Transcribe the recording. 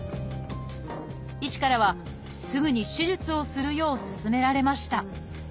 医師からはすぐに手術をするよう勧められました。